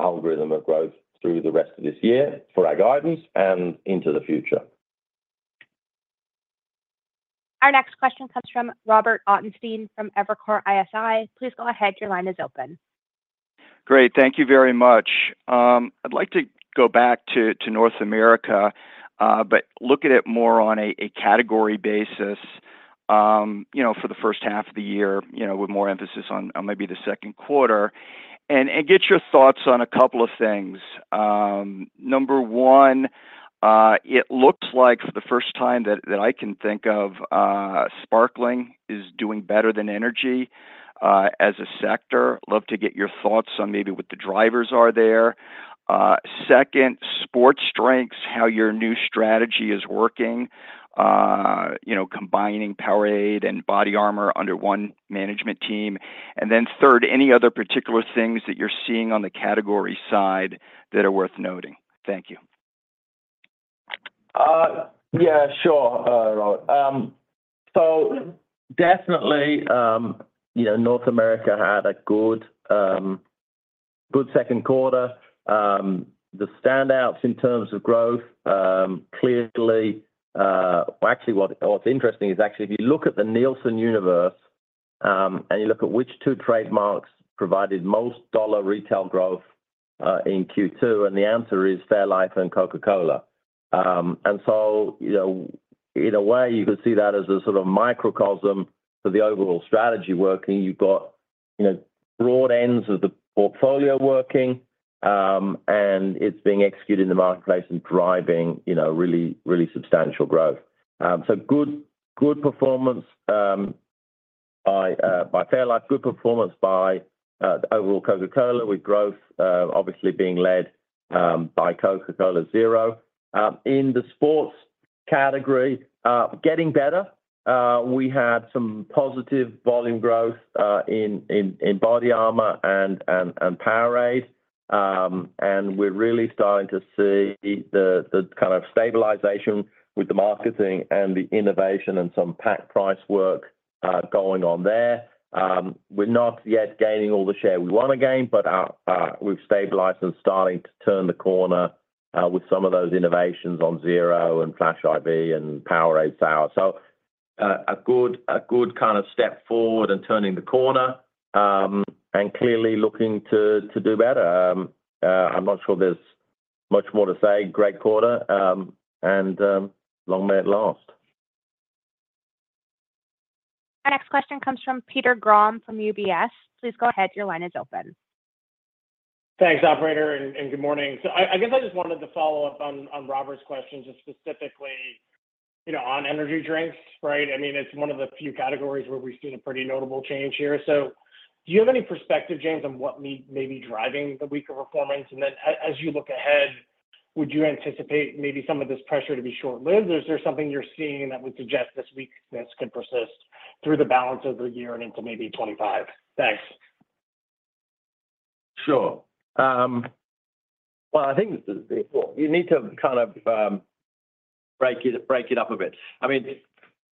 algorithm of growth through the rest of this year for our guidance and into the future. Our next question comes from Robert Ottenstein from Evercore ISI. Please go ahead. Your line is open. Great. Thank you very much. I'd like to go back to North America, but look at it more on a category basis for the first half of the year with more emphasis on maybe the second quarter and get your thoughts on a couple of things. Number one, it looks like for the first time that I can think of, Sparkling is doing better than energy as a sector. Love to get your thoughts on maybe what the drivers are there. Second, sports drinks, how your new strategy is working, combining Powerade and BODYARMOR under one management team. And then third, any other particular things that you're seeing on the category side that are worth noting? Thank you. Yeah, sure, Robert. So definitely, North America had a good second quarter. The standouts in terms of growth, clearly, actually what's interesting is actually if you look at the Nielsen universe and you look at which two trademarks provided most dollar retail growth in Q2, and the answer is fairlife and Coca-Cola. And so in a way, you could see that as a sort of microcosm for the overall strategy working. You've got broad ends of the portfolio working, and it's being executed in the marketplace and driving really substantial growth. So good performance by fairlife, good performance by overall Coca-Cola with growth obviously being led by Coca-Cola Zero. In the sports category, getting better. We had some positive volume growth in BodyArmor and Powerade, and we're really starting to see the kind of stabilization with the marketing and the innovation and some pack price work going on there. We're not yet gaining all the share we want to gain, but we've stabilized and starting to turn the corner with some of those innovations on Zero and Flash I.V. and Powerade Sour. So a good kind of step forward and turning the corner and clearly looking to do better. I'm not sure there's much more to say. Great quarter and long may it last. Our next question comes from Peter Grom from UBS. Please go ahead. Your line is open. Thanks, operator, and good morning. So I guess I just wanted to follow up on Robert's question, just specifically on energy drinks, right? I mean, it's one of the few categories where we've seen a pretty notable change here. So do you have any perspective, James, on what may be driving the weak performance? Then as you look ahead, would you anticipate maybe some of this pressure to be short-lived, or is there something you're seeing that would suggest this weakness could persist through the balance of the year and into maybe 2025? Thanks. Sure. Well, I think you need to kind of break it up a bit. I mean,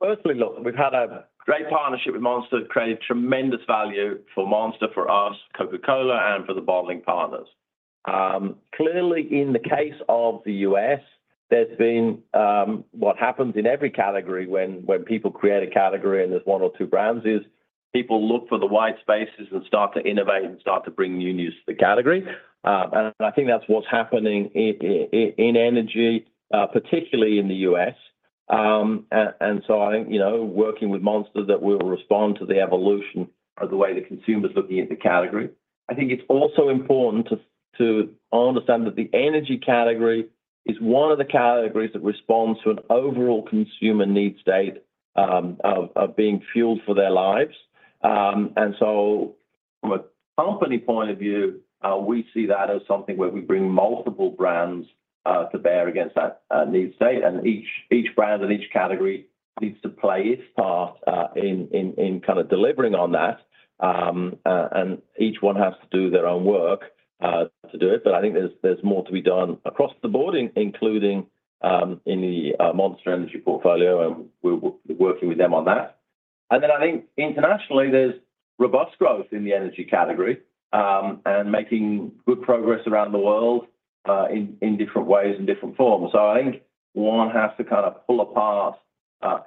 firstly, look, we've had a great partnership with Monster that created tremendous value for Monster, for us, Coca-Cola, and for the bottling partners. Clearly, in the case of the U.S., there's been what happens in every category when people create a category and there's one or two brands is people look for the white spaces and start to innovate and start to bring new news to the category. And I think that's what's happening in energy, particularly in the U.S. I think working with Monster that will respond to the evolution of the way the consumer's looking at the category. I think it's also important to understand that the energy category is one of the categories that responds to an overall consumer need state of being fueled for their lives. From a company point of view, we see that as something where we bring multiple brands to bear against that need state. Each brand and each category needs to play its part in kind of delivering on that. Each one has to do their own work to do it. But I think there's more to be done across the board, including in the Monster Energy portfolio, and we're working with them on that. And then I think internationally, there's robust growth in the energy category and making good progress around the world in different ways and different forms. So I think one has to kind of pull apart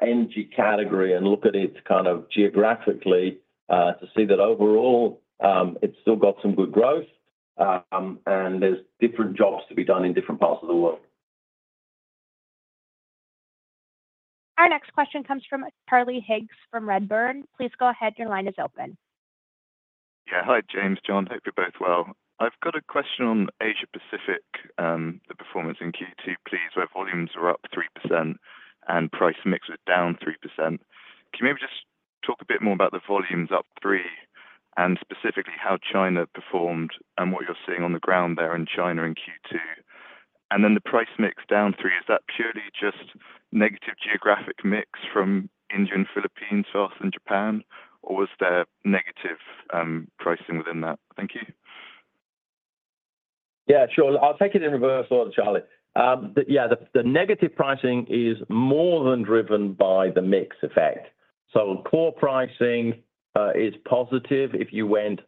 energy category and look at it kind of geographically to see that overall, it's still got some good growth, and there's different jobs to be done in different parts of the world. Our next question comes from Charlie Higgs from Redburn Atlantic. Please go ahead. Your line is open. Yeah. Hi, James. John, hope you're both well. I've got a question on Asia-Pacific and the performance in Q2, please, where volumes were up 3% and price/mix was down 3%. Can you maybe just talk a bit more about the volumes up three and specifically how China performed and what you're seeing on the ground there in China in Q2? Then the price/mix down 3%, is that purely just negative geographic mix from India, Philippines, France, and Japan, or was there negative pricing within that? Thank you. Yeah, sure. I'll take it in reverse order, Charlie. Yeah, the negative pricing is more than driven by the mix effect. So core pricing is positive if you went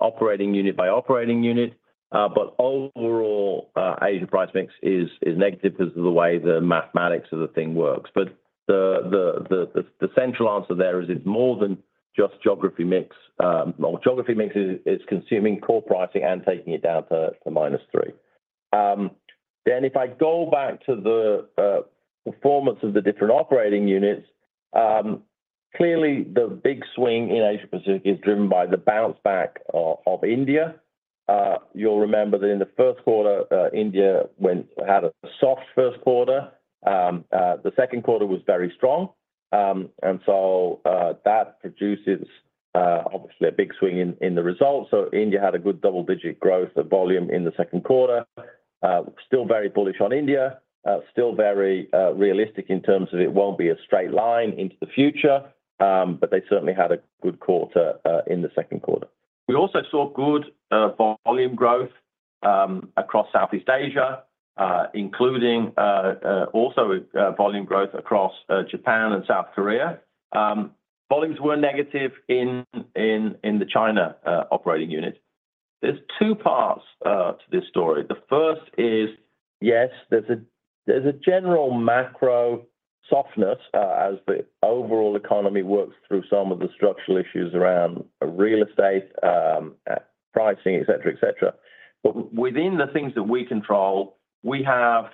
operating unit by operating unit, but overall, Asia price/mix is negative because of the way the mathematics of the thing works. But the central answer there is it's more than just geography mix. Well, geography mix is consuming core pricing and taking it down to -3%. Then if I go back to the performance of the different operating units, clearly, the big swing in Asia Pacific is driven by the bounce back of India. You'll remember that in the first quarter, India had a soft first quarter. The second quarter was very strong. And so that produces obviously a big swing in the results. So India had a good double-digit growth of volume in the second quarter. Still very bullish on India, still very realistic in terms of it won't be a straight line into the future, but they certainly had a good quarter in the second quarter. We also saw good volume growth across Southeast Asia, including also volume growth across Japan and South Korea. Volumes were negative in the China operating unit. There's two parts to this story. The first is, yes, there's a general macro softness as the overall economy works through some of the structural issues around real estate, pricing, et cetera, et cetera. But within the things that we control, we have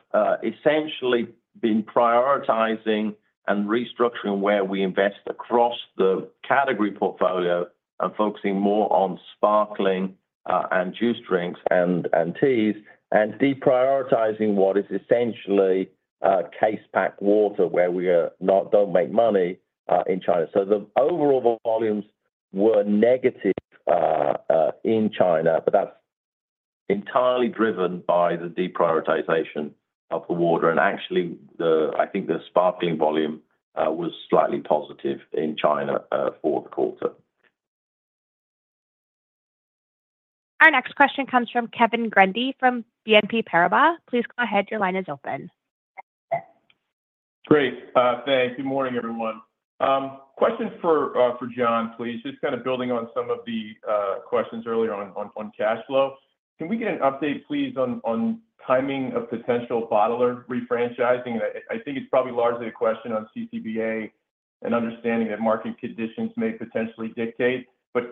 essentially been prioritizing and restructuring where we invest across the category portfolio and focusing more on sparkling and juice drinks and teas and deprioritizing what is essentially case-packed water where we don't make money in China. So the overall volumes were negative in China, but that's entirely driven by the deprioritization of the water. And actually, I think the sparkling volume was slightly positive in China for the quarter. Our next question comes from Kevin Grundy from BNP Paribas. Please go ahead. Your line is open. Great. Thanks. Good morning, everyone. Question for John, please. Just kind of building on some of the questions earlier on cash flow. Can we get an update, please, on timing of potential bottler refranchising? And I think it's probably largely a question on CCBA and understanding that market conditions may potentially dictate.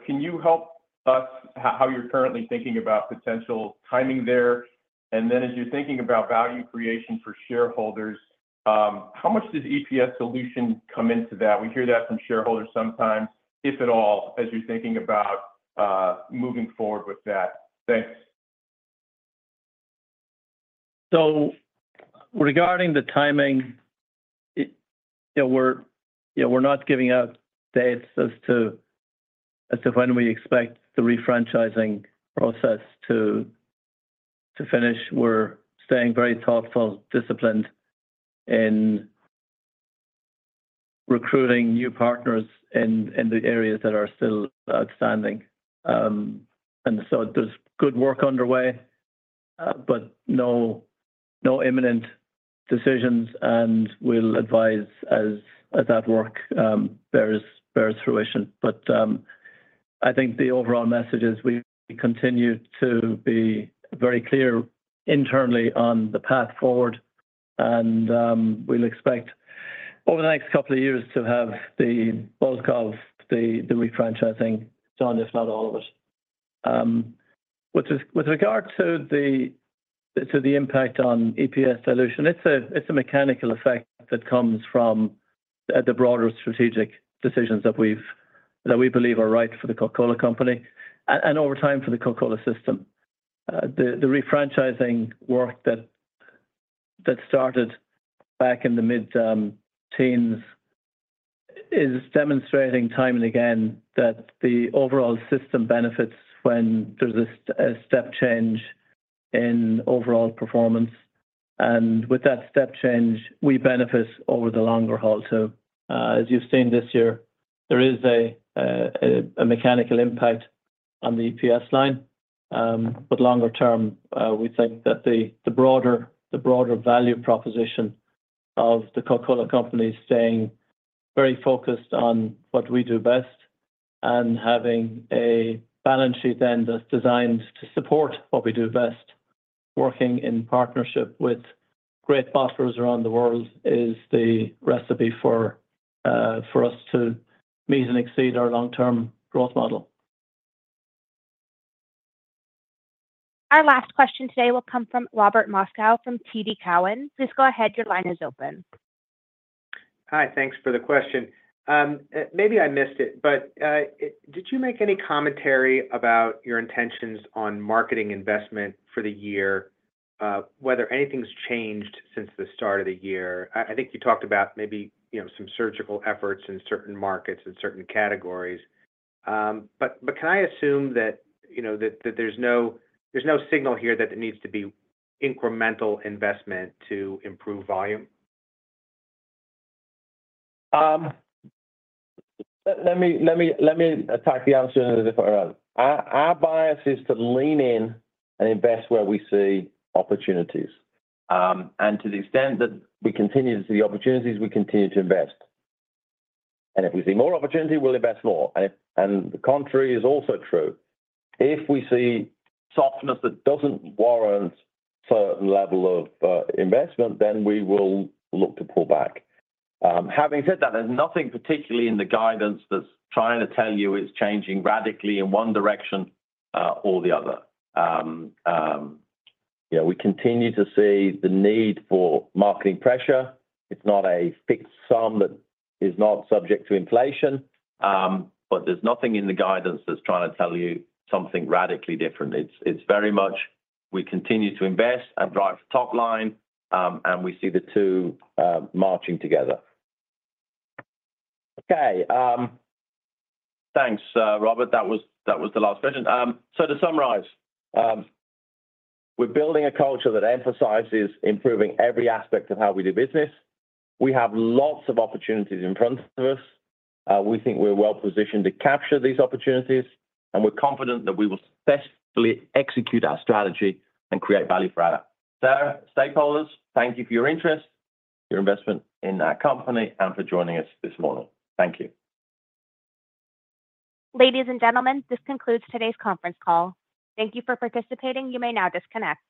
Can you help us how you're currently thinking about potential timing there? And then as you're thinking about value creation for shareholders, how much does EPS dilution come into that? We hear that from shareholders sometimes, if at all, as you're thinking about moving forward with that. Thanks. Regarding the timing, we're not giving out dates as to when we expect the refranchising process to finish. We're staying very thoughtful, disciplined in recruiting new partners in the areas that are still outstanding. There's good work underway, but no imminent decisions. We'll advise as that work bears fruition. I think the overall message is we continue to be very clear internally on the path forward, and we'll expect over the next couple of years to have the bulk of the refranchising done, if not all of it. With regard to the impact on EPS dilution, it's a mechanical effect that comes from the broader strategic decisions that we believe are right for The Coca-Cola Company and over time for the Coca-Cola system. The refranchising work that started back in the mid-teens is demonstrating time and again that the overall system benefits when there's a step change in overall performance. And with that step change, we benefit over the longer haul. So as you've seen this year, there is a mechanical impact on the EPS line. But longer term, we think that the broader value proposition of The Coca-Cola Company is staying very focused on what we do best and having a balance sheet that's designed to support what we do best. Working in partnership with great bottlers around the world is the recipe for us to meet and exceed our long-term growth model. Our last question today will come from Robert Moskow from TD Cowen. Please go ahead. Your line is open. Hi. Thanks for the question. Maybe I missed it, but did you make any commentary about your intentions on marketing investment for the year, whether anything's changed since the start of the year? I think you talked about maybe some surgical efforts in certain markets and certain categories. But can I assume that there's no signal here that there needs to be incremental investment to improve volume? Let me attack the answer in a different route. Our bias is to lean in and invest where we see opportunities. And to the extent that we continue to see opportunities, we continue to invest. And if we see more opportunity, we'll invest more. And the contrary is also true. If we see softness that doesn't warrant a certain level of investment, then we will look to pull back. Having said that, there's nothing particularly in the guidance that's trying to tell you it's changing radically in one direction or the other. We continue to see the need for marketing pressure. It's not a fixed sum that is not subject to inflation, but there's nothing in the guidance that's trying to tell you something radically different. It's very much we continue to invest and drive the top line, and we see the two marching together. Okay. Thanks, Robert. That was the last question. So to summarize, we're building a culture that emphasizes improving every aspect of how we do business. We have lots of opportunities in front of us. We think we're well-positioned to capture these opportunities, and we're confident that we will successfully execute our strategy and create value for our stakeholders. Thank you for your interest, your investment in our company, and for joining us this morning. Thank you. Ladies and gentlemen, this concludes today's conference call. Thank you for participating. You may now disconnect.